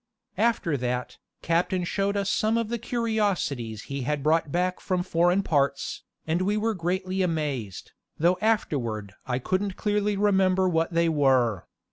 After that, captain showed us some of the curiosities he had brought back from foreign parts, and we were greatly amazed, though afterward I couldn't clearly remember what they were.